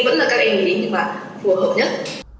vẫn là các em nghĩ như bạn phù hợp nhất